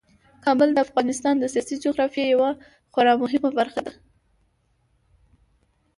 کابل د افغانستان د سیاسي جغرافیې یوه خورا مهمه برخه ده.